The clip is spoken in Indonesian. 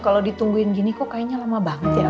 kalau ditungguin gini kok kayaknya lama banget ya